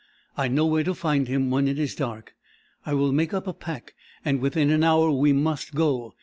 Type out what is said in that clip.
I know where to find him when it is dark. I will make up a pack and within an hour we must go.